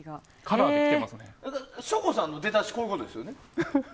省吾さんの出だしこういうことですよね。